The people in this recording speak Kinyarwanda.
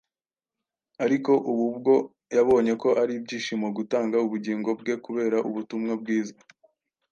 ariko ubu bwo yabonye ko ari ibyishimo gutanga ubugingo bwe kubera ubutumwa bwiza.